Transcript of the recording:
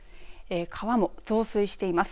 川も増水しています。